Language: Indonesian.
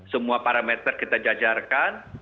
semua parameter kita jajarkan